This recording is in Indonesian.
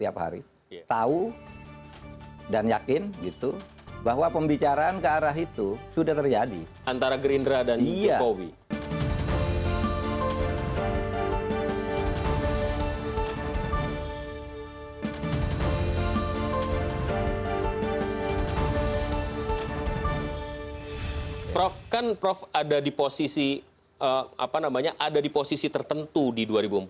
prof kan prof ada di posisi tertentu di dua ribu empat belas